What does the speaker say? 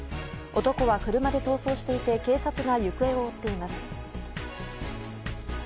男は車で逃走していて警察が行方を追っています。